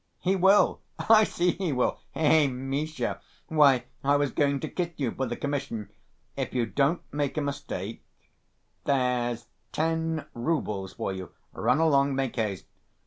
"He will, I see he will! Eh, Misha! Why, I was going to kiss you for the commission.... If you don't make a mistake, there's ten roubles for you, run along, make haste....